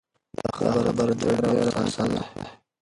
دا خبره تر ډېره افسانه ده.